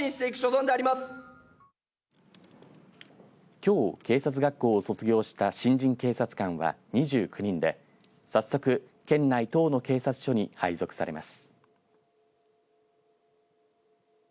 きょう警察学校を卒業した新人警察官は２９人で早速、県内１０の警察署に配属されます。